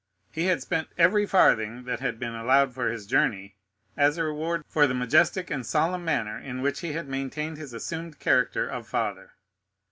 He had spent every farthing that had been allowed for his journey as a reward for the majestic and solemn manner in which he had maintained his assumed character of father.